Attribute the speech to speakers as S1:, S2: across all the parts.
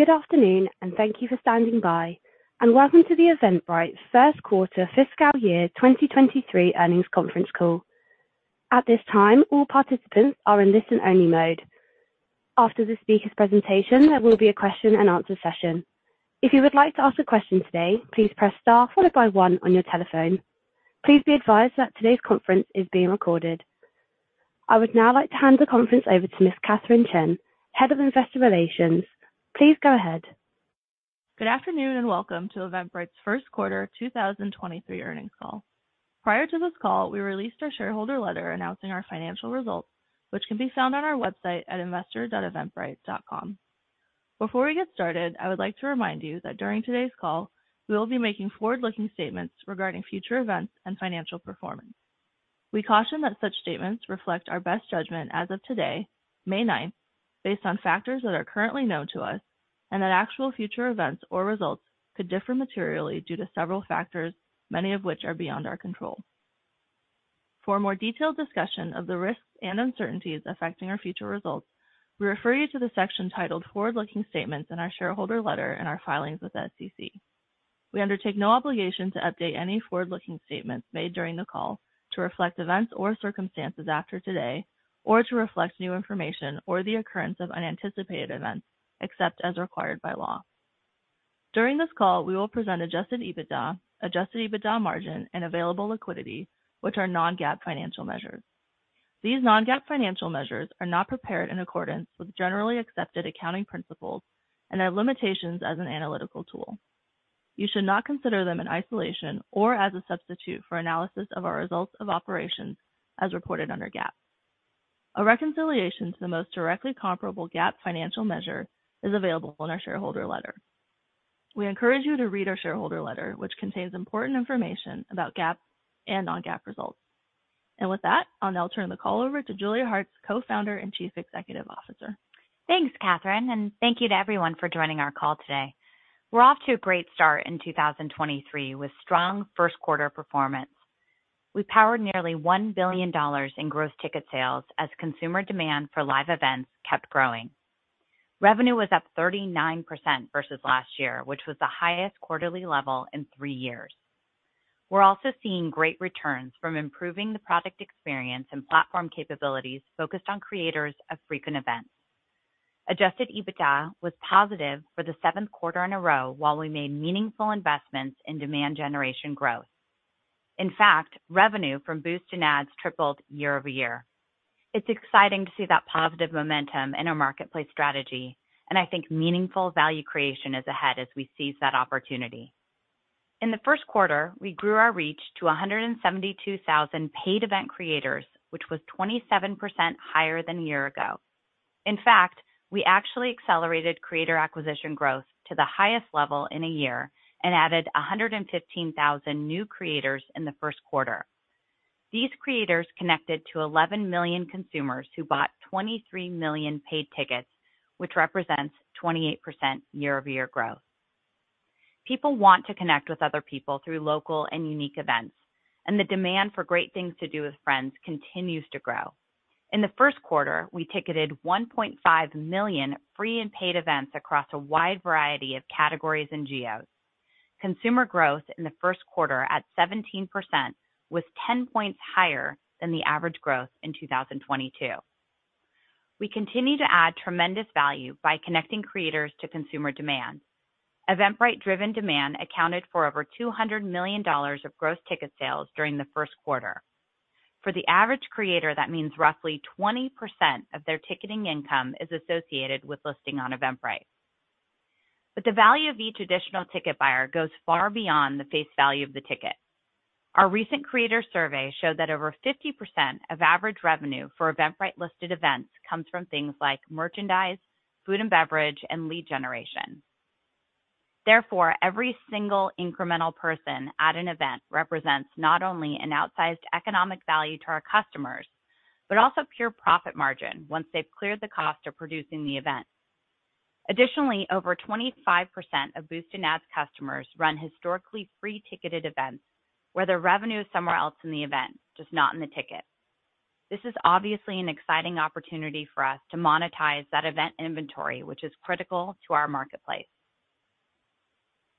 S1: Good afternoon. Thank you for standing by. Welcome to the Eventbrite first quarter fiscal year 2023 earnings conference call. At this time, all participants are in listen-only mode. After the speaker's presentation, there will be a question-and-answer session. If you would like to ask a question today, please press star followed by one on your telephone. Please be advised that today's conference is being recorded. I would now like to hand the conference over to Miss Katherine Chen, Head of Investor Relations. Please go ahead.
S2: Good afternoon, and welcome to Eventbrite's first quarter 2023 earnings call. Prior to this call, we released our shareholder letter announcing our financial results, which can be found on our website at investor.eventbrite.com. Before we get started, I would like to remind you that during today's call, we will be making forward-looking statements regarding future events and financial performance. We caution that such statements reflect our best judgment as of today, May 9th, based on factors that are currently known to us and that actual future events or results could differ materially due to several factors, many of which are beyond our control. For a more detailed discussion of the risks and uncertainties affecting our future results, we refer you to the section titled Forward-Looking Statements in our shareholder letter and our filings with the SEC. We undertake no obligation to update any forward-looking statements made during the call to reflect events or circumstances after today or to reflect new information or the occurrence of unanticipated events, except as required by law. During this call, we will present Adjusted EBITDA, Adjusted EBITDA margin, and available liquidity, which are non-GAAP financial measures. These non-GAAP financial measures are not prepared in accordance with generally accepted accounting principles and have limitations as an analytical tool. You should not consider them in isolation or as a substitute for analysis of our results of operations as reported under GAAP. A reconciliation to the most directly comparable GAAP financial measure is available in our shareholder letter. We encourage you to read our shareholder letter, which contains important information about GAAP and non-GAAP results. With that, I'll now turn the call over to Julia Hartz, Co-Founder and Chief Executive Officer.
S3: Thanks, Katherine. Thank you to everyone for joining our call today. We're off to a great start in 2023 with strong first-quarter performance. We powered nearly $1 billion in gross ticket sales as consumer demand for live events kept growing. Revenue was up 39% versus last year, which was the highest quarterly level in three years. We're also seeing great returns from improving the product experience and platform capabilities focused on creators of frequent events. Adjusted EBITDA was positive for the seventh quarter in a row while we made meaningful investments in demand generation growth. In fact, revenue from Boost and Ads tripled year-over-year. It's exciting to see that positive momentum in our marketplace strategy, and I think meaningful value creation is ahead as we seize that opportunity. In the first quarter, we grew our reach to 172,000 paid event creators, which was 27% higher than a year ago. In fact, we actually accelerated creator acquisition growth to the highest level in a year and added 115,000 new creators in the first quarter. These creators connected to 11 million consumers who bought 23 million paid tickets, which represents 28% year-over-year growth. People want to connect with other people through local and unique events, and the demand for great things to do with friends continues to grow. In the first quarter, we ticketed 1.5 million free and paid events across a wide variety of categories and geos. Consumer growth in the first quarter at 17% was 10 points higher than the average growth in 2022. We continue to add tremendous value by connecting creators to consumer demand. Eventbrite-driven demand accounted for over $200 million of gross ticket sales during the first quarter. For the average creator, that means roughly 20% of their ticketing income is associated with listing on Eventbrite. The value of each additional ticket buyer goes far beyond the face value of the ticket. Our recent creator survey showed that over 50% of average revenue for Eventbrite-listed events comes from things like merchandise, food and beverage, and lead generation. Therefore, every single incremental person at an event represents not only an outsized economic value to our customers, but also pure profit margin once they've cleared the cost of producing the event. Additionally, over 25% of Boost and Ads customers run historically free ticketed events where their revenue is somewhere else in the event, just not in the ticket. This is obviously an exciting opportunity for us to monetize that event inventory, which is critical to our marketplace.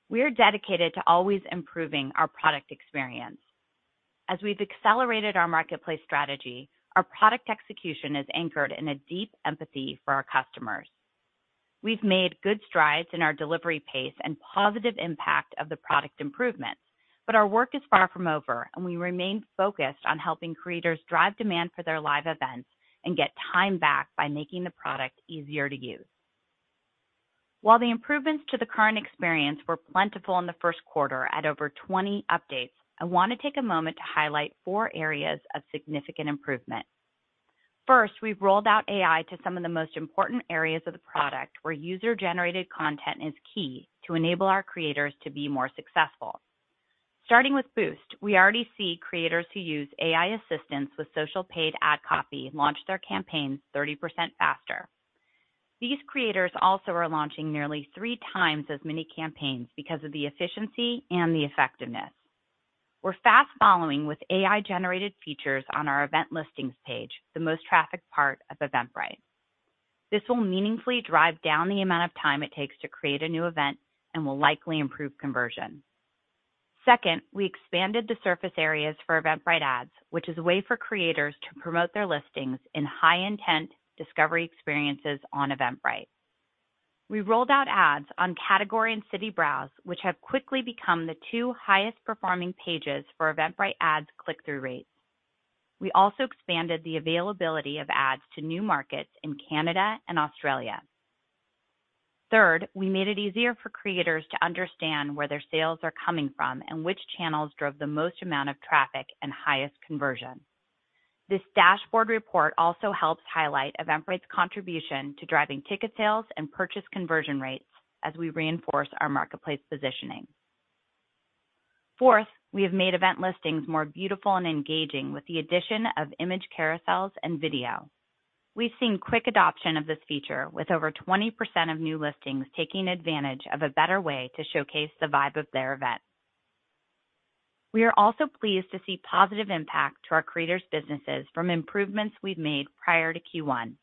S3: We are dedicated to always improving our product experience. As we've accelerated our marketplace strategy, our product execution is anchored in a deep empathy for our customers. We've made good strides in our delivery pace and positive impact of the product improvements, but our work is far from over, and we remain focused on helping creators drive demand for their live events and get time back by making the product easier to use. While the improvements to the current experience were plentiful in the first quarter at over 20 updates, I want to take a moment to highlight four areas of significant improvement. First, we've rolled out AI to some of the most important areas of the product where user-generated content is key to enable our creators to be more successful. Starting with Boost, we already see creators who use AI assistance with social paid ad copy launch their campaigns 30% faster. These creators also are launching nearly three times as many campaigns because of the efficiency and the effectiveness. We're fast following with AI-generated features on our event listings page, the most trafficked part of Eventbrite. This will meaningfully drive down the amount of time it takes to create a new event and will likely improve conversion. Second, we expanded the surface areas for Eventbrite Ads, which is a way for creators to promote their listings in high-intent discovery experiences on Eventbrite. We rolled out Ads on category and city browse, which have quickly become the two highest performing pages for Eventbrite Ads click-through rates. We also expanded the availability of Ads to new markets in Canada and Australia. Third, we made it easier for creators to understand where their sales are coming from and which channels drove the most amount of traffic and highest conversion. This dashboard report also helps highlight Eventbrite's contribution to driving ticket sales and purchase conversion rates as we reinforce our marketplace positioning. Fourth, we have made event listings more beautiful and engaging with the addition of image carousels and video. We've seen quick adoption of this feature with over 20% of new listings taking advantage of a better way to showcase the vibe of their event. We are also pleased to see positive impact to our creators businesses from improvements we've made prior to Q1.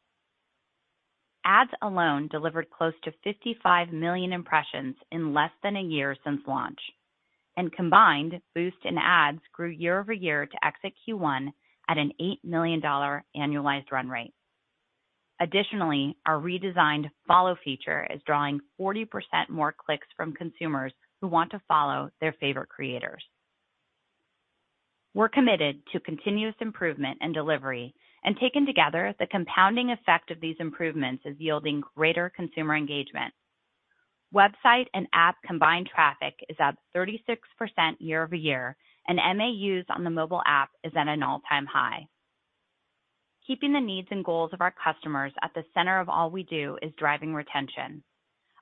S3: Ads alone delivered close to 55 million impressions in less than a year since launch. Combined, Boost and Ads grew year-over-year to exit Q1 at an $8 million annualized run rate. Additionally, our redesigned Follow feature is drawing 40% more clicks from consumers who want to follow their favorite creators. We're committed to continuous improvement and delivery. Taken together, the compounding effect of these improvements is yielding greater consumer engagement. Website and app combined traffic is up 36% year-over-year, and MAUs on the mobile app is at an all-time high. Keeping the needs and goals of our customers at the center of all we do is driving retention.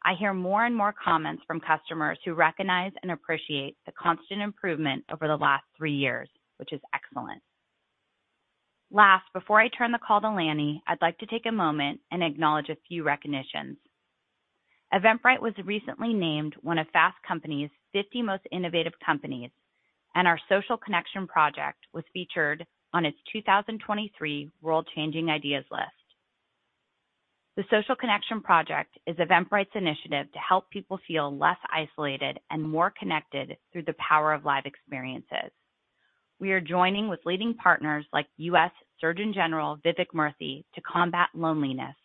S3: I hear more and more comments from customers who recognize and appreciate the constant improvement over the last three years, which is excellent. Last, before I turn the call to Lanny, I'd like to take a moment and acknowledge a few recognitions. Eventbrite was recently named one of Fast Company's 50 Most Innovative Companies, and our Social Connection Project was featured on its 2023 World Changing Ideas list. The Social Connection Project is Eventbrite's initiative to help people feel less isolated and more connected through the power of live experiences. We are joining with leading partners like U.S. Surgeon General Vivek Murthy to combat loneliness,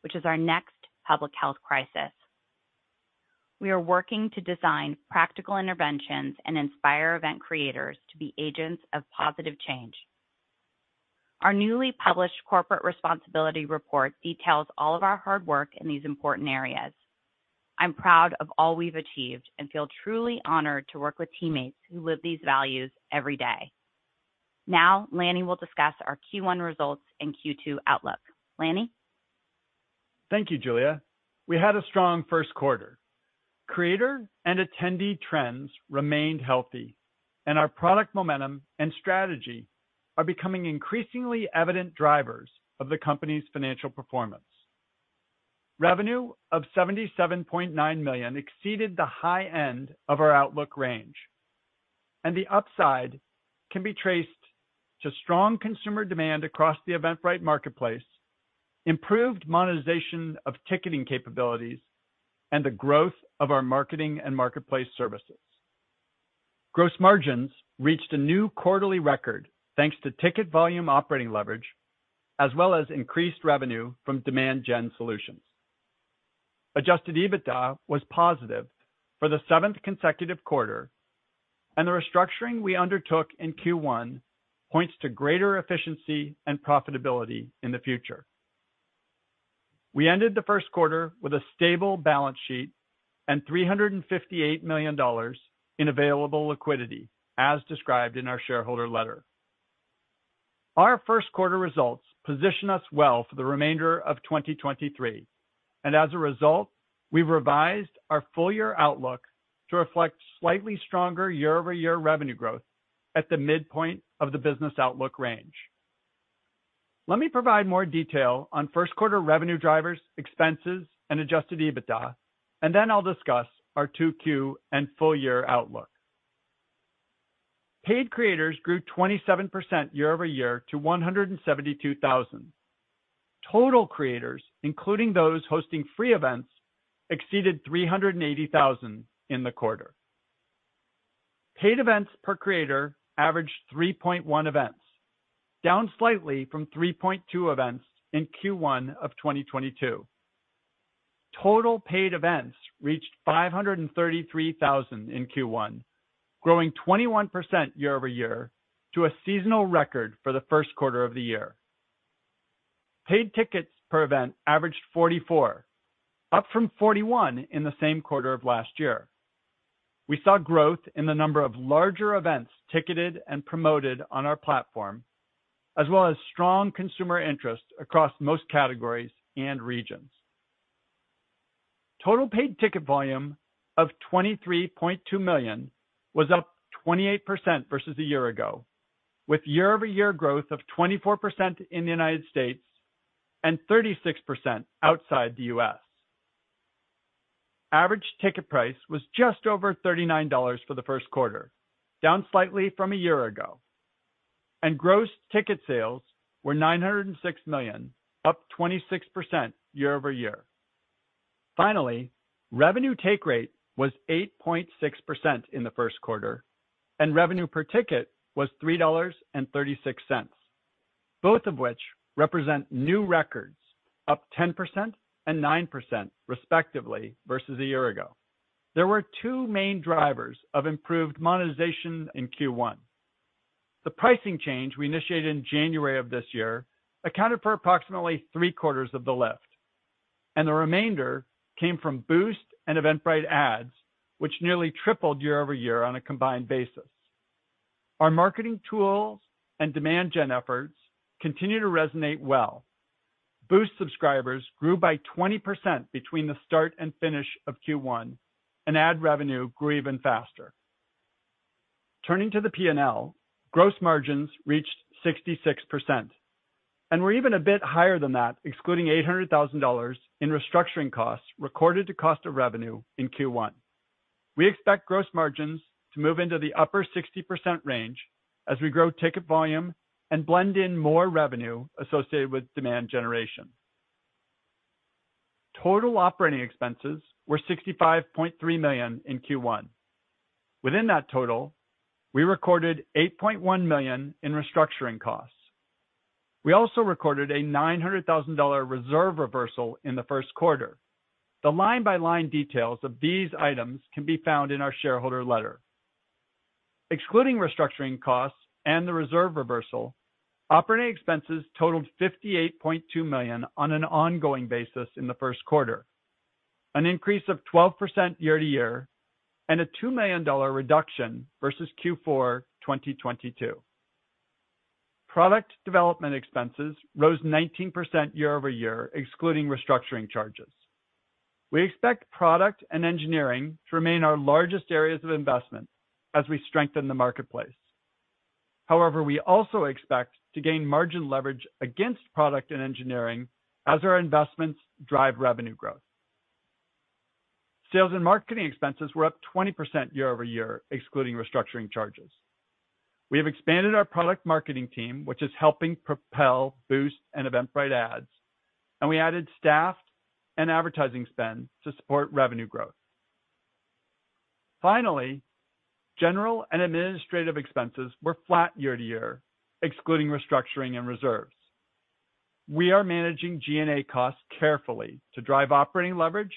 S3: which is our next public health crisis. We are working to design practical interventions and inspire event creators to be agents of positive change. Our newly published corporate responsibility report details all of our hard work in these important areas. I'm proud of all we've achieved and feel truly honored to work with teammates who live these values every day. Now, Lanny will discuss our Q1 results and Q2 outlook. Lanny.
S4: Thank you, Julia. We had a strong first quarter. Creator and attendee trends remained healthy, and our product momentum and strategy are becoming increasingly evident drivers of the company's financial performance. Revenue of $77.9 million exceeded the high end of our outlook range, and the upside can be traced to strong consumer demand across the Eventbrite marketplace, improved monetization of ticketing capabilities, and the growth of our marketing and marketplace services. Gross margins reached a new quarterly record, thanks to ticket volume operating leverage, as well as increased revenue from demand gen solutions. Adjusted EBITDA was positive for the seventh consecutive quarter, and the restructuring we undertook in Q1 points to greater efficiency and profitability in the future. We ended the first quarter with a stable balance sheet and $358 million in available liquidity, as described in our shareholder letter. Our first quarter results position us well for the remainder of 2023, and as a result, we've revised our full year outlook to reflect slightly stronger year-over-year revenue growth at the midpoint of the business outlook range. Let me provide more detail on first quarter revenue drivers, expenses, and Adjusted EBITDA, and then I'll discuss our 2Q and full year outlook. Paid creators grew 27% year-over-year to 172,000. Total creators, including those hosting free events, exceeded 380,000 in the quarter. Paid events per creator averaged 3.1 events, down slightly from 3.2 events in Q1 of 2022. Total paid events reached 533,000 in Q1, growing 21% year-over-year to a seasonal record for the first quarter of the year. Paid tickets per event averaged 44, up from 41 in the same quarter of last year. We saw growth in the number of larger events ticketed and promoted on our platform, as well as strong consumer interest across most categories and regions. Total paid ticket volume of 23.2 million was up 28% versus a year ago, with year-over-year growth of 24% in the United States and 36% outside the U.S. Average ticket price was just over $39 for the first quarter, down slightly from a year ago. Gross ticket sales were $906 million, up 26% year-over-year. Finally, revenue take rate was 8.6% in the first quarter, and revenue per ticket was $3.36, both of which represent new records, up 10% and 9% respectively versus a year ago. There were two main drivers of improved monetization in Q1. The pricing change we initiated in January of this year accounted for approximately three-quarters of the lift, and the remainder came from Boost and Eventbrite Ads, which nearly tripled year-over-year on a combined basis. Our marketing tools and demand gen efforts continue to resonate well. Boost subscribers grew by 20% between the start and finish of Q1. Ad revenue grew even faster. Turning to the P&L, gross margins reached 66% and were even a bit higher than that, excluding $800,000 in restructuring costs recorded to cost of revenue in Q1. We expect gross margins to move into the upper 60% range as we grow ticket volume and blend in more revenue associated with demand generation. Total operating expenses were $65.3 million in Q1. Within that total, we recorded $8.1 million in restructuring costs. We also recorded a $900,000 reserve reversal in the first quarter. The line-by-line details of these items can be found in our shareholder letter. Excluding restructuring costs and the reserve reversal, operating expenses totaled $58.2 million on an ongoing basis in the first quarter, an increase of 12% year-to-year, and a $2 million reduction versus Q4 2022. Product development expenses rose 19% year-over-year, excluding restructuring charges. We expect product and engineering to remain our largest areas of investment as we strengthen the marketplace. However, we also expect to gain margin leverage against product and engineering as our investments drive revenue growth. Sales and marketing expenses were up 20% year-over-year, excluding restructuring charges. We have expanded our product marketing team, which is helping propel Boost and Eventbrite Ads, and we added staff and advertising spend to support revenue growth. General and administrative expenses were flat year-to-year, excluding restructuring and reserves. We are managing G&A costs carefully to drive operating leverage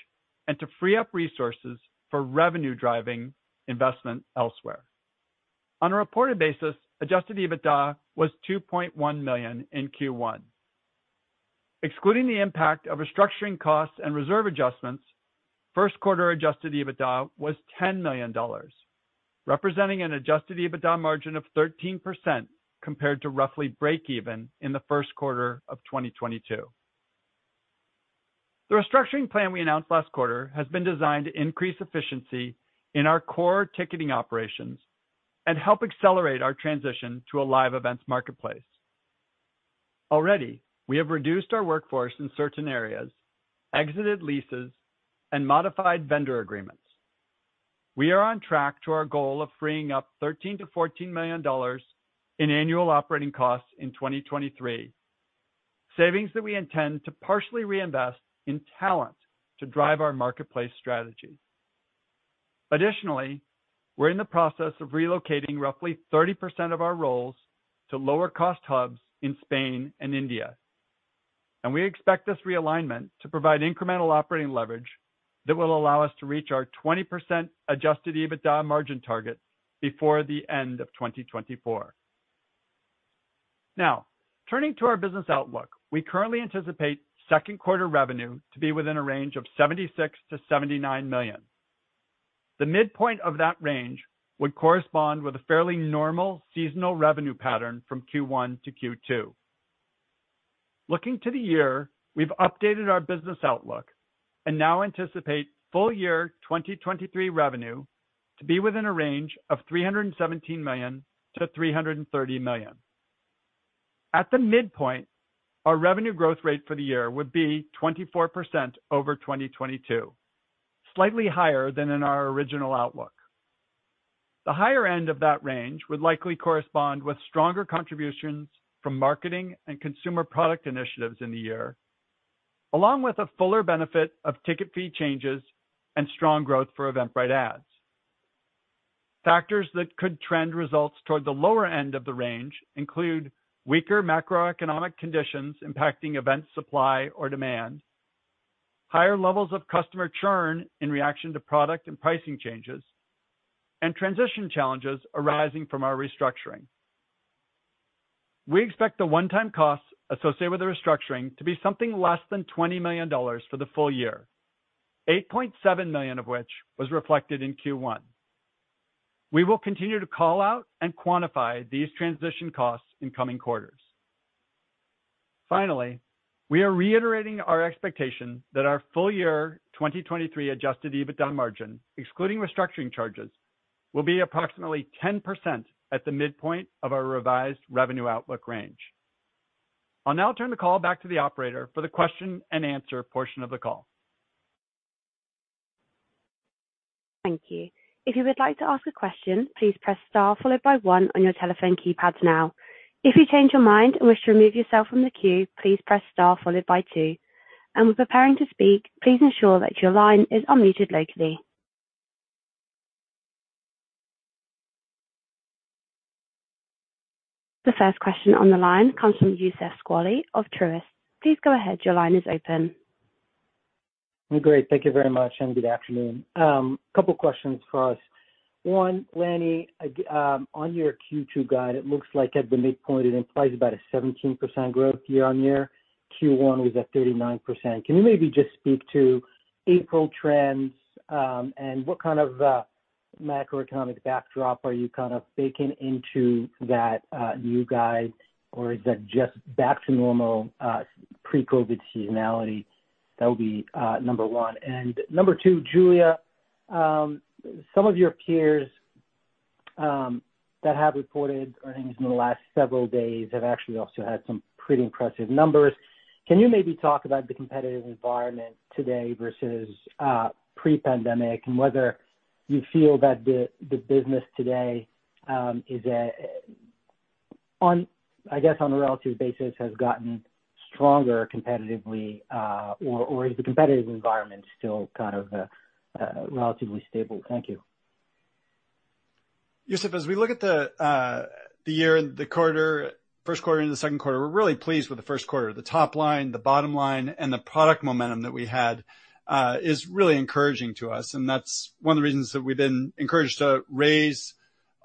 S4: and to free up resources for revenue-driving investment elsewhere. On a reported basis, Adjusted EBITDA was $2.1 million in Q1. Excluding the impact of restructuring costs and reserve adjustments, first quarter Adjusted EBITDA was $10 million, representing an Adjusted EBITDA margin of 13% compared to roughly break-even in the first quarter of 2022. The restructuring plan we announced last quarter has been designed to increase efficiency in our core ticketing operations and help accelerate our transition to a live events marketplace. Already, we have reduced our workforce in certain areas, exited leases, and modified vendor agreements. We are on track to our goal of freeing up $13 million-$14 million in annual operating costs in 2023, savings that we intend to partially reinvest in talent to drive our marketplace strategy. Additionally, we're in the process of relocating roughly 30% of our roles to lower-cost hubs in Spain and India, and we expect this realignment to provide incremental operating leverage that will allow us to reach our 20% Adjusted EBITDA margin target before the end of 2024. Now, turning to our business outlook. We currently anticipate second quarter revenue to be within a range of $76 million-$79 million. The midpoint of that range would correspond with a fairly normal seasonal revenue pattern from Q1 to Q2. Looking to the year, we've updated our business outlook and now anticipate full year 2023 revenue to be within a range of $317 million-$330 million. At the midpoint, our revenue growth rate for the year would be 24% over 2022, slightly higher than in our original outlook. The higher end of that range would likely correspond with stronger contributions from marketing and consumer product initiatives in the year, along with a fuller benefit of ticket fee changes and strong growth for Eventbrite Ads. Factors that could trend results toward the lower end of the range include weaker macroeconomic conditions impacting event supply or demand, higher levels of customer churn in reaction to product and pricing changes, and transition challenges arising from our restructuring. We expect the one-time costs associated with the restructuring to be something less than $20 million for the full year, $8.7 million of which was reflected in Q1. We will continue to call out and quantify these transition costs in coming quarters. Finally, we are reiterating our expectation that our full year 2023 Adjusted EBITDA margin, excluding restructuring charges, will be approximately 10% at the midpoint of our revised revenue outlook range. I'll now turn the call back to the operator for the question and answer portion of the call.
S1: Thank you. If you would like to ask a question, please press star followed by one on your telephone keypads now. If you change your mind and wish to remove yourself from the queue, please press star followed by two. When preparing to speak, please ensure that your line is unmuted locally. The first question on the line comes from Youssef Squali of Truist. Please go ahead. Your line is open.
S5: Great. Thank you very much, and good afternoon. A couple questions for us. One, Lanny, on your Q2 guide, it looks like at the midpoint, it implies about a 17% growth year-on-year. Q1 was at 39%. Can you maybe just speak to April trends, and what kind of macroeconomic backdrop are you kind of baking into that new guide? Or is that just back to normal, pre-COVID seasonality? That would be number one. Number two, Julia, some of your peers that have reported earnings in the last several days have actually also had some pretty impressive numbers. Can you maybe talk about the competitive environment today versus pre-pandemic, and whether you feel that the business today, I guess on a relative basis, has gotten stronger competitively, or is the competitive environment still kind of relatively stable? Thank you.
S4: Youssef, as we look at the year and the quarter, first quarter into the second quarter, we're really pleased with the first quarter. The top line, the bottom line, and the product momentum that we had is really encouraging to us. That's one of the reasons that we've been encouraged to raise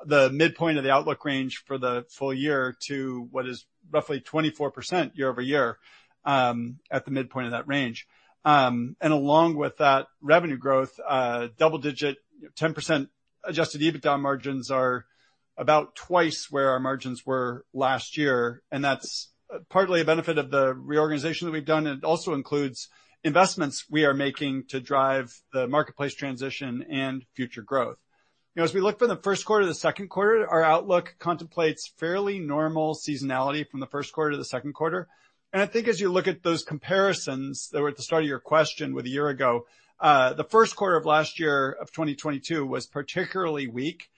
S4: the midpoint of the outlook range for the full year to what is roughly 24% year-over-year, at the midpoint of that range. Along with that revenue growth, double-digit, 10% Adjusted EBITDA margins are about twice where our margins were last year. That's partly a benefit of the reorganization that we've done, and it also includes investments we are making to drive the marketplace transition and future growth. You know, as we look from the first quarter to the second quarter, our outlook contemplates fairly normal seasonality from the first quarter to the second quarter. I think as you look at those comparisons that were at the start of your question with a year ago, the first quarter of last year, of 2022, was particularly weak,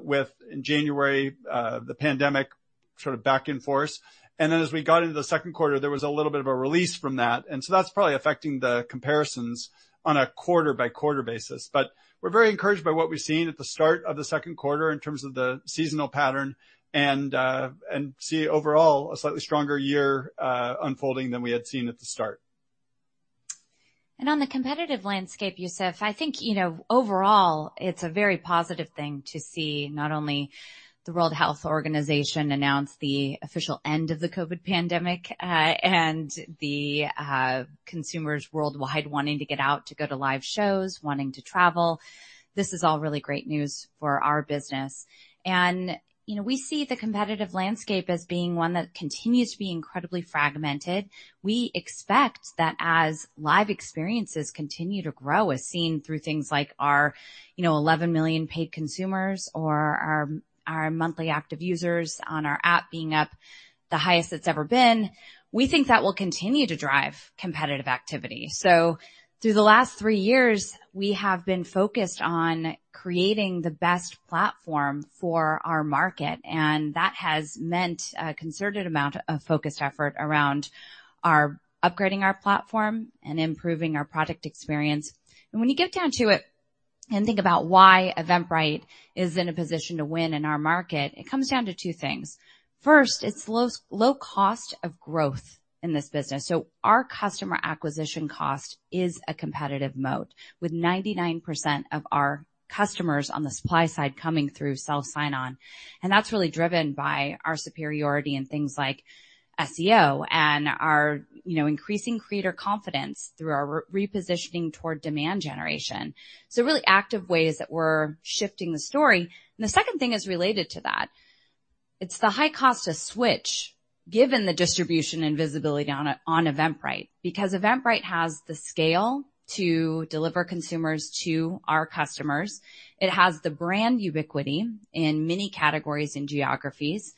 S4: with in January, the pandemic sort of back in force. As we got into the second quarter, there was a little bit of a release from that. That's probably affecting the comparisons on a quarter-by-quarter basis. We're very encouraged by what we've seen at the start of the second quarter in terms of the seasonal pattern and see overall a slightly stronger year unfolding than we had seen at the start.
S3: On the competitive landscape, Youssef, I think, you know, overall, it's a very positive thing to see not only the World Health Organization announce the official end of the COVID pandemic, and the consumers worldwide wanting to get out to go to live shows, wanting to travel. This is all really great news for our business. You know, we see the competitive landscape as being one that continues to be incredibly fragmented. We expect that as live experiences continue to grow, as seen through things like our, you know, 11 million paid consumers or our monthly active users on our app being up the highest it's ever been. We think that will continue to drive competitive activity. Through the last three years, we have been focused on creating the best platform for our market, and that has meant a concerted amount of focused effort around upgrading our platform and improving our product experience. When you get down to it and think about why Eventbrite is in a position to win in our market, it comes down to two things. First, it's low, low cost of growth in this business. Our customer acquisition cost is a competitive moat, with 99% of our customers on the supply side coming through self sign-on. That's really driven by our superiority in things like SEO and our, you know, increasing creator confidence through our repositioning toward demand generation. Really active ways that we're shifting the story. The second thing is related to that. It's the high cost to switch given the distribution and visibility on Eventbrite. Eventbrite has the scale to deliver consumers to our customers. It has the brand ubiquity in many categories and geographies,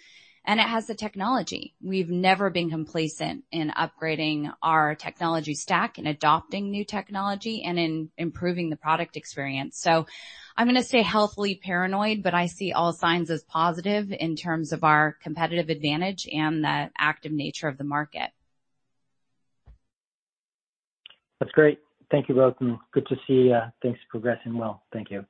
S3: and it has the technology. We've never been complacent in upgrading our technology stack and adopting new technology and in improving the product experience. I'm gonna stay healthily paranoid, but I see all signs as positive in terms of our competitive advantage and the active nature of the market.
S5: That's great. Thank you both, and good to see things progressing well. Thank you.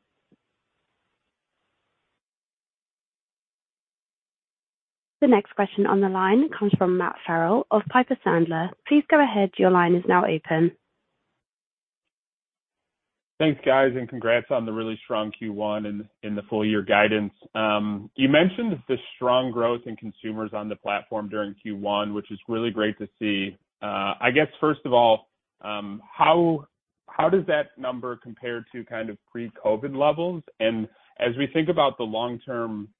S1: The next question on the line comes from Matt Farrell of Piper Sandler. Please go ahead. Your line is now open.
S6: Thanks, guys, and congrats on the really strong Q1 and the full year guidance. You mentioned the strong growth in consumers on the platform during Q1, which is really great to see. I guess, first of all, how does that number compare to kind of pre-COVID levels? As we think about the long term,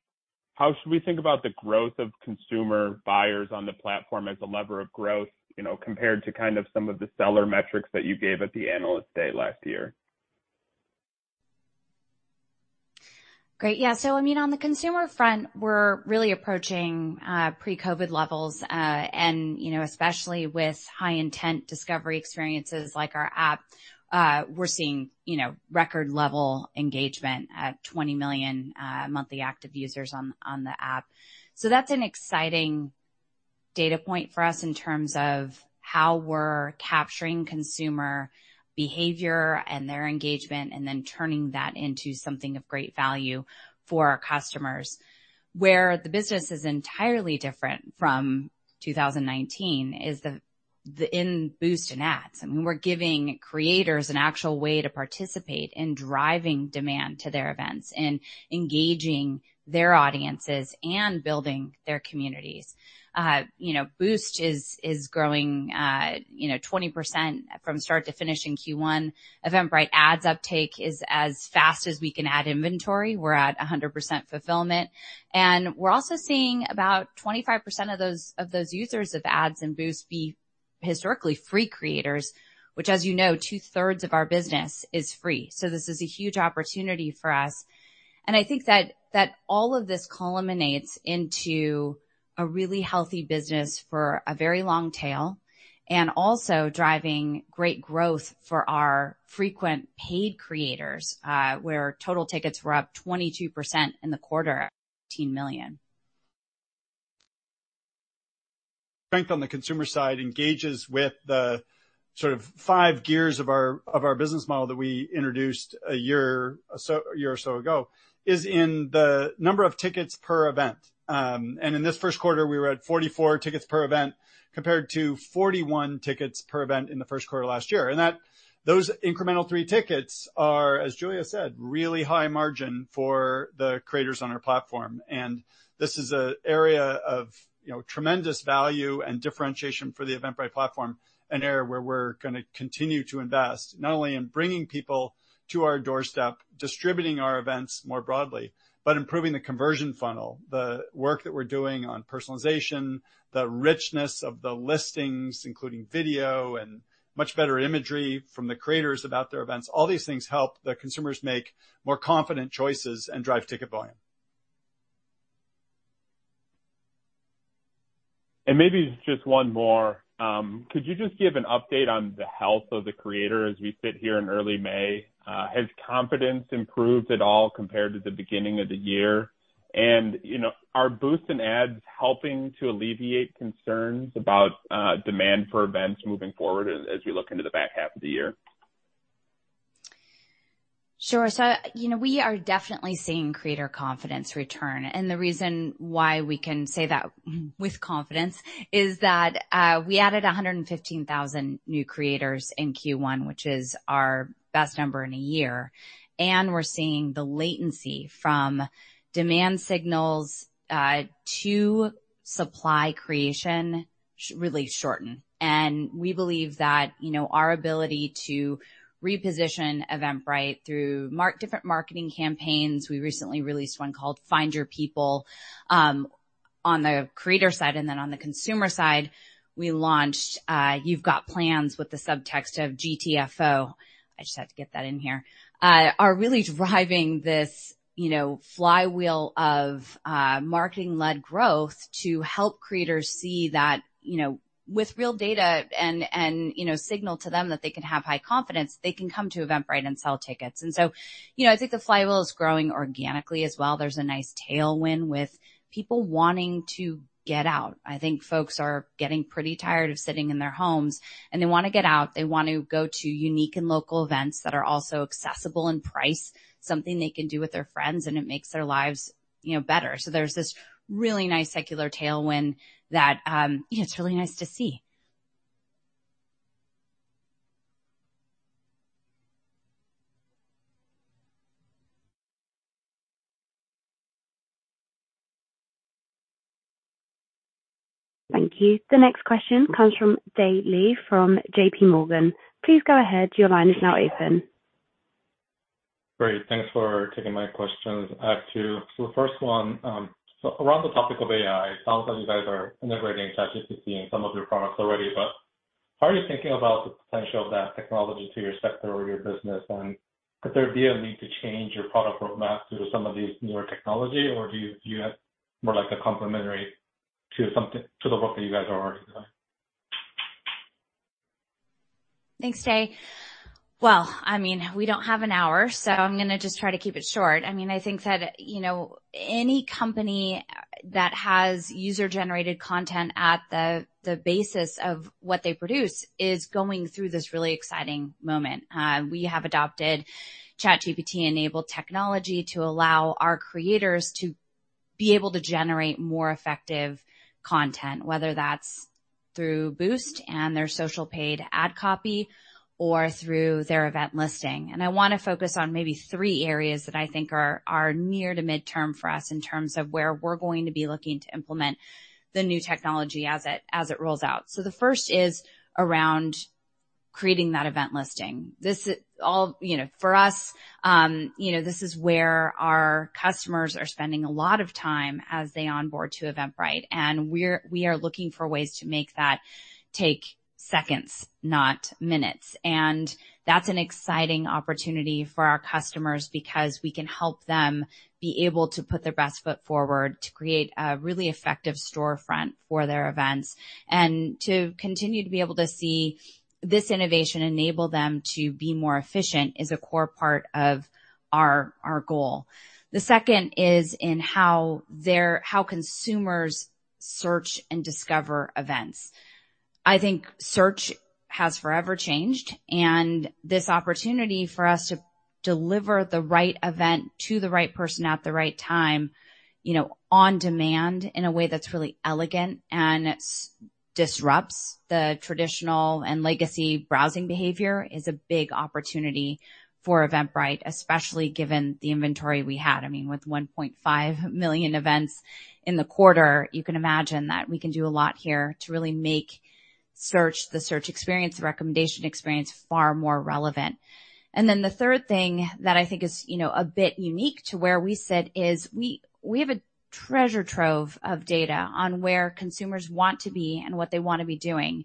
S6: how should we think about the growth of consumer buyers on the platform as a lever of growth, you know, compared to kind of some of the seller metrics that you gave at the Analyst Day last year?
S3: Great. Yeah. I mean, on the consumer front, we're really approaching pre-COVID levels, and, you know, especially with high intent discovery experiences like our app, we're seeing, you know, record level engagement at 20 million monthly active users on the app. That's an exciting data point for us in terms of how we're capturing consumer behavior and their engagement, and then turning that into something of great value for our customers. Where the business is entirely different from 2019 is the in Boost in Ads. I mean, we're giving creators an actual way to participate in driving demand to their events and engaging their audiences and building their communities. You know, Boost is growing, you know, 20% from start to finish in Q1. Eventbrite Ads uptake is as fast as we can add inventory. We're at 100% fulfillment. We're also seeing about 25% of those users of Ads and Boost be historically free creators, which as you know, 2/3 of our business is free. This is a huge opportunity for us. I think that all of this culminates into a really healthy business for a very long tail, and also driving great growth for our frequent paid creators, where total tickets were up 22% in the quarter, 18 million.
S4: Strength on the consumer side engages with the sort of five gears of our business model that we introduced a year or so ago, is in the number of tickets per event. In this first quarter, we were at 44 tickets per event compared to 41 tickets per event in the first quarter last year. Those incremental three tickets are, as Julia said, really high margin for the creators on our platform. This is an area of, you know, tremendous value and differentiation for the Eventbrite platform, an area where we're gonna continue to invest, not only in bringing people to our doorstep, distributing our events more broadly, but improving the conversion funnel. The work that we're doing on personalization, the richness of the listings, including video and much better imagery from the creators about their events, all these things help the consumers make more confident choices and drive ticket volume.
S6: Maybe just one more. Could you just give an update on the health of the creator as we sit here in early May? Has confidence improved at all compared to the beginning of the year? You know, are Boost and Ads helping to alleviate concerns about demand for events moving forward as we look into the back half of the year?
S3: Sure. You know, we are definitely seeing creator confidence return. The reason why we can say that with confidence is that, we added 115,000 new creators in Q1, which is our best number in a year. We're seeing the latency from demand signals, to supply creation really shorten. We believe that, you know, our ability to reposition Eventbrite through different marketing campaigns, we recently released one called Find Your People, on the creator side, and then on the consumer side, we launched You've Got Plans with the subtext of GTFO, I just had to get that in here, are really driving this, you know, flywheel of marketing-led growth to help creators see that, you know, with real data and, you know, signal to them that they can have high confidence, they can come to Eventbrite and sell tickets. You know, I think the flywheel is growing organically as well. There's a nice tailwind with people wanting to get out. I think folks are getting pretty tired of sitting in their homes, and they wanna get out. They want to go to unique and local events that are also accessible in price, something they can do with their friends, and it makes their lives, you know, better. There's this really nice secular tailwind that, yeah, it's really nice to see.
S1: Thank you. The next question comes from Dae Lee from JPMorgan. Please go ahead. Your line is now open.
S7: Great. Thanks for taking my questions. I have two. The first one, around the topic of AI, it sounds like you guys are integrating ChatGPT in some of your products already, but how are you thinking about the potential of that technology to your sector or your business? Could there be a need to change your product roadmap due to some of these newer technology, or do you have more like a complementary to the work that you guys are already doing?
S3: Thanks, Dae. Well, I mean, we don't have an hour, so I'm gonna just try to keep it short. I mean, I think that, you know, any company that has user-generated content at the basis of what they produce is going through this really exciting moment. We have adopted ChatGPT-enabled technology to allow our creators to be able to generate more effective content, whether that's through Boost and their social paid ad copy or through their event listing. I wanna focus on maybe three areas that I think are near to midterm for us in terms of where we're going to be looking to implement the new technology as it rolls out. The first is around creating that event listing. This is all, you know, for us, you know, this is where our customers are spending a lot of time as they onboard to Eventbrite. We are looking for ways to make that take seconds, not minutes. That's an exciting opportunity for our customers because we can help them be able to put their best foot forward to create a really effective storefront for their events. To continue to be able to see this innovation enable them to be more efficient is a core part of our goal. The second is in how consumers search and discover events. I think search has forever changed, and this opportunity for us to deliver the right event to the right person at the right time, you know, on demand in a way that's really elegant and it disrupts the traditional and legacy browsing behavior is a big opportunity for Eventbrite, especially given the inventory we had. I mean, with 1.5 million events in the quarter, you can imagine that we can do a lot here to really make search, the search experience, the recommendation experience far more relevant. The third thing that I think is, you know, a bit unique to where we sit is we have a treasure trove of data on where consumers want to be and what they want to be doing.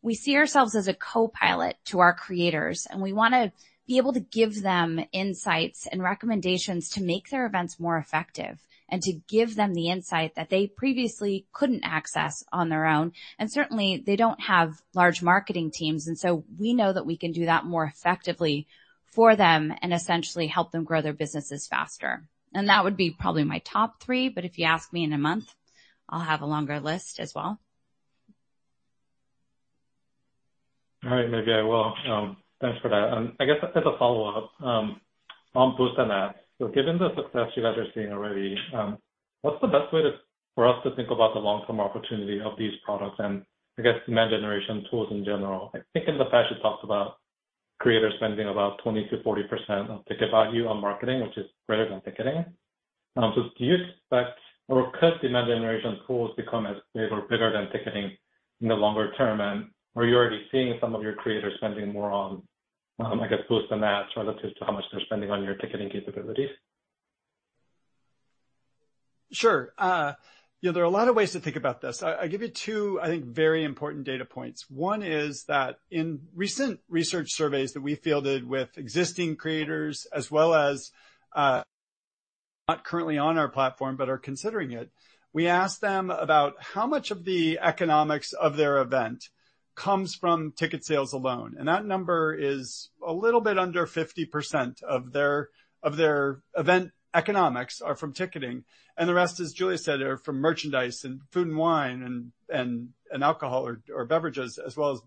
S3: We see ourselves as a co-pilot to our creators, and we wanna be able to give them insights and recommendations to make their events more effective and to give them the insight that they previously couldn't access on their own. Certainly, they don't have large marketing teams, and so we know that we can do that more effectively for them and essentially help them grow their businesses faster. That would be probably my top three, but if you ask me in a month, I'll have a longer list as well.
S7: All right. Maybe I will. Thanks for that. I guess as a follow-up, on Boost and Ads. Given the success you guys are seeing already, what's the best way for us to think about the long-term opportunity of these products and I guess demand generation tools in general? I think in the past, you talked about creator spending about 20%-40% of ticket value on marketing, which is greater than ticketing. Do you expect or could demand generation tools become as big or bigger than ticketing in the longer term? Are you already seeing some of your creators spending more on, I guess, Boost and Ads relative to how much they're spending on your ticketing capabilities?
S4: Sure. You know, there are a lot of ways to think about this. I give you two, I think, very important data points. One is that in recent research surveys that we fielded with existing creators as well as not currently on our platform but are considering it, we asked them about how much of the economics of their event comes from ticket sales alone, that number is a little bit under 50% of their event economics are from ticketing. The rest, as Julia said, are from merchandise and food and wine and alcohol or beverages as well as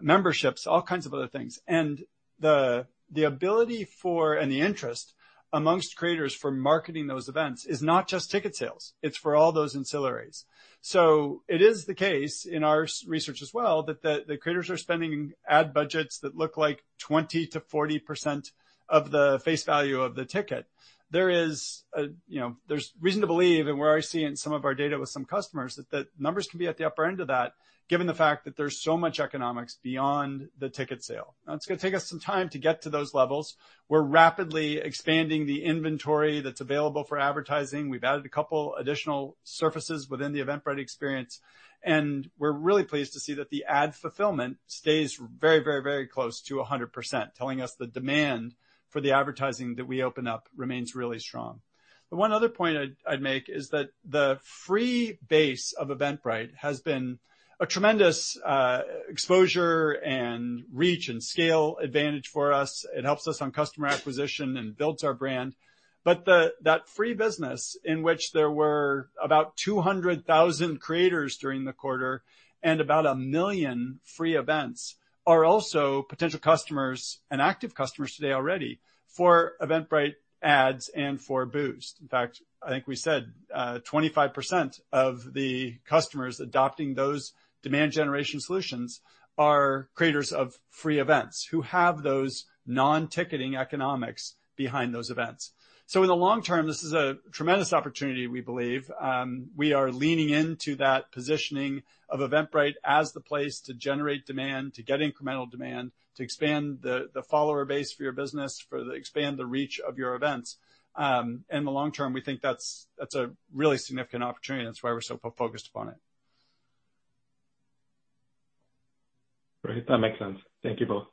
S4: memberships, all kinds of other things. The ability for, and the interest amongst creators for marketing those events is not just ticket sales. It's for all those ancillaries. It is the case in our research as well, that the creators are spending Ads budgets that look like 20%-40% of the face value of the ticket. There is, you know, there's reason to believe, and we're already seeing some of our data with some customers that numbers can be at the upper end of that given the fact that there's so much economics beyond the ticket sale. It's gonna take us some time to get to those levels. We're rapidly expanding the inventory that's available for advertising. We've added a couple additional surfaces within the Eventbrite experience, and we're really pleased to see that the Ads fulfillment stays very close to 100%, telling us the demand for the advertising that we open up remains really strong. The one other point I'd make is that the free base of Eventbrite has been a tremendous exposure and reach and scale advantage for us. It helps us on customer acquisition and builds our brand. That free business in which there were about 200,000 creators during the quarter and about 1 million free events are also potential customers and active customers today already for Eventbrite Ads and for Boost. In fact, I think we said 25% of the customers adopting those demand generation solutions are creators of free events who have those non-ticketing economics behind those events. In the long term, this is a tremendous opportunity, we believe. We are leaning into that positioning of Eventbrite as the place to generate demand, to get incremental demand, to expand the follower base for your business, expand the reach of your events. In the long term, we think that's a really significant opportunity. That's why we're so focused upon it.
S7: Great. That makes sense. Thank you both.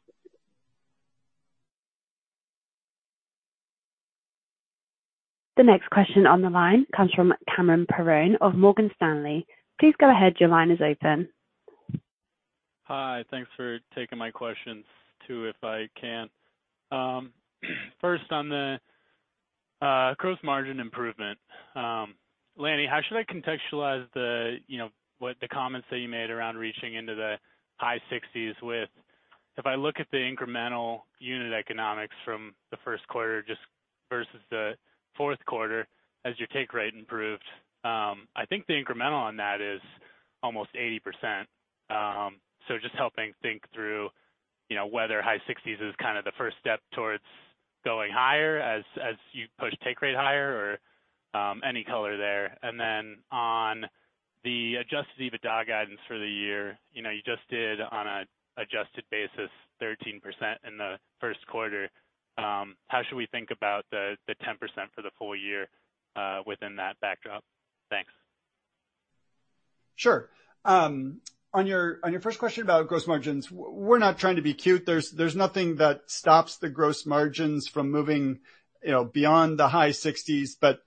S1: The next question on the line comes from Cameron Perrone of Morgan Stanley. Please go ahead. Your line is open.
S8: Hi. Thanks for taking my questions too, if I can. first on the gross margin improvement. Lanny, how should I contextualize the, you know, what the comments that you made around reaching into the high 60s with? If I look at the incremental unit economics from the first quarter just versus the fourth quarter as your take rate improved, I think the incremental on that is almost 80%. Just helping think through, you know, whether high 60s is kinda the first step towards- Going higher as you push take rate higher or any color there. Then on the Adjusted EBITDA guidance for the year, you know, you just did on a Adjusted basis 13% in the first quarter. How should we think about the 10% for the full year within that backdrop? Thanks.
S4: Sure. On your first question about gross margins, we're not trying to be cute. There's nothing that stops the gross margins from moving, you know, beyond the high 60s, but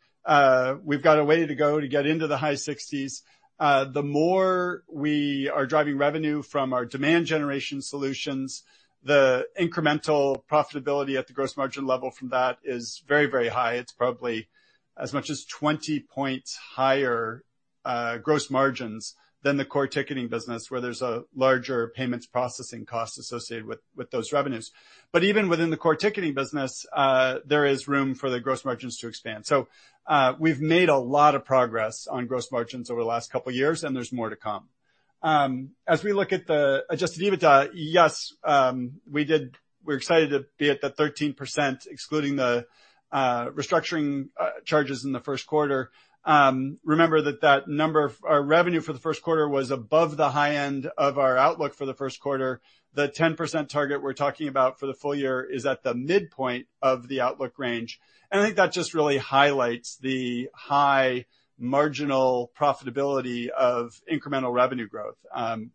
S4: we've got a way to go to get into the high 60s. The more we are driving revenue from our demand generation solutions, the incremental profitability at the gross margin level from that is very, very high. It's probably as much as 20 points higher, gross margins than the core ticketing business, where there's a larger payments processing cost associated with those revenues. Even within the core ticketing business, there is room for the gross margins to expand. We've made a lot of progress on gross margins over the last couple years, and there's more to come. As we look at the Adjusted EBITDA, yes, we did. We're excited to be at the 13% excluding the restructuring charges in the first quarter. Remember that number of our revenue for the first quarter was above the high end of our outlook for the first quarter. The 10% target we're talking about for the full year is at the midpoint of the outlook range. I think that just really highlights the high marginal profitability of incremental revenue growth.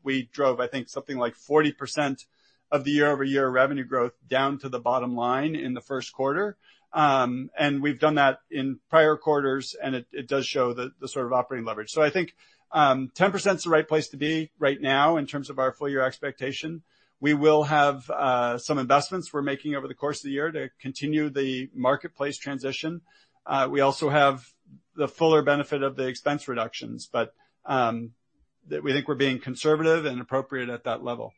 S4: We drove, I think, something like 40% of the year-over-year revenue growth down to the bottom line in the first quarter. We've done that in prior quarters, and it does show the sort of operating leverage. I think 10% is the right place to be right now in terms of our full year expectation. We will have some investments we're making over the course of the year to continue the marketplace transition. We also have the fuller benefit of the expense reductions. We think we're being conservative and appropriate at that level.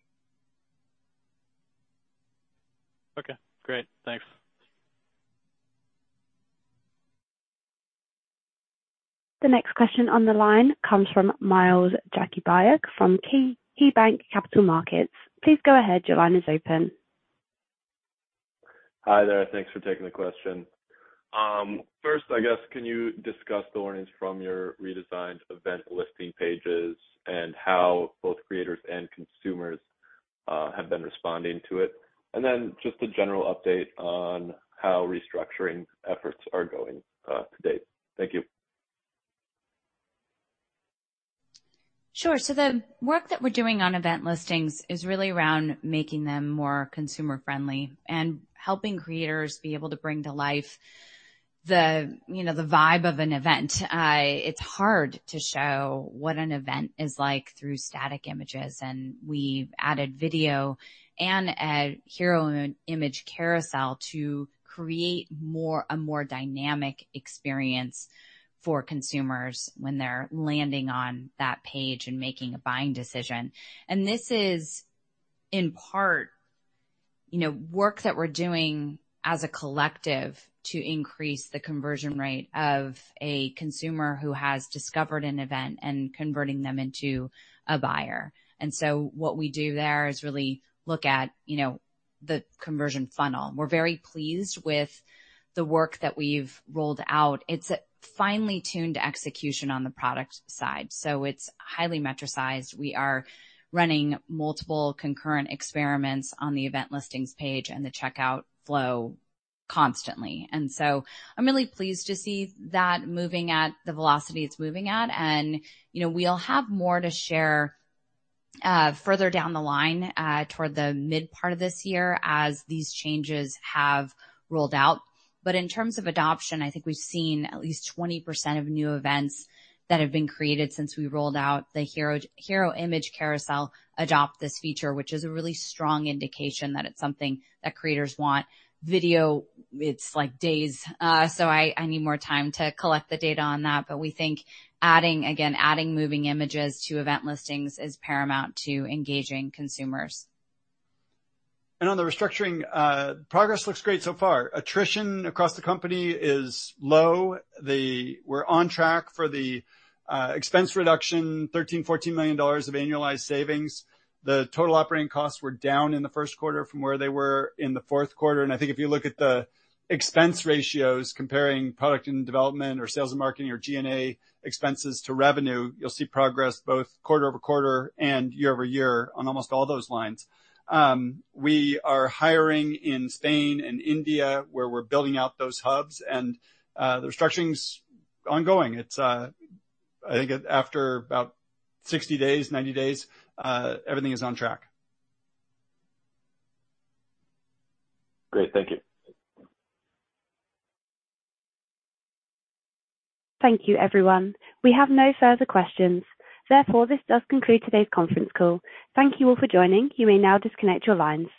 S8: Okay, great. Thanks.
S1: The next question on the line comes from Miles Jakubiak from KeyBanc Capital Markets. Please go ahead. Your line is open.
S9: Hi there. Thanks for taking the question. First, I guess, can you discuss the learnings from your redesigned event listing pages and how both creators and consumers have been responding to it? Just a general update on how restructuring efforts are going to date. Thank you.
S3: Sure. The work that we're doing on event listings is really around making them more consumer-friendly and helping creators be able to bring to life the, you know, the vibe of an event. It's hard to show what an event is like through static images, and we've added video and a hero image carousel to create a more dynamic experience for consumers when they're landing on that page and making a buying decision. This is, in part, you know, work that we're doing as a collective to increase the conversion rate of a consumer who has discovered an event and converting them into a buyer. What we do there is really look at, you know, the conversion funnel. We're very pleased with the work that we've rolled out. It's a finely tuned execution on the product side, so it's highly metricized. We are running multiple concurrent experiments on the event listings page and the checkout flow constantly. I'm really pleased to see that moving at the velocity it's moving at. You know, we'll have more to share further down the line toward the mid part of this year as these changes have rolled out. In terms of adoption, I think we've seen at least 20% of new events that have been created since we rolled out the hero image carousel adopt this feature, which is a really strong indication that it's something that creators want. Video, it's like days, so I need more time to collect the data on that. We think again, adding moving images to event listings is paramount to engaging consumers.
S4: On the restructuring, progress looks great so far. Attrition across the company is low. We're on track for the expense reduction, $13 million-$14 million of annualized savings. The total operating costs were down in the first quarter from where they were in the fourth quarter. I think if you look at the expense ratios comparing product and development or sales and marketing or G&A expenses to revenue, you'll see progress both quarter-over-quarter and year-over-year on almost all those lines. We are hiring in Spain and India, where we're building out those hubs, and the restructuring's ongoing. It's, I think after about 60-90 days, everything is on track.
S9: Great. Thank you.
S1: Thank you, everyone. We have no further questions. This does conclude today's conference call. Thank you all for joining. You may now disconnect your lines.